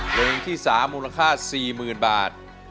เพลงที่๓มูลค่า๔๐๐๐บาท